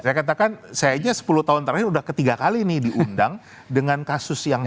saya katakan saya aja sepuluh tahun terakhir udah ketiga kali nih diundang dengan kasus yang